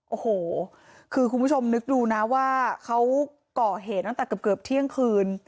โอ้โหคือคุณผู้ชมนึกดูนะว่าเขาก่อเหตุตั้งแต่เกือบเที่ยงคืน